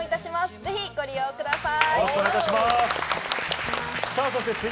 ぜひご覧ください。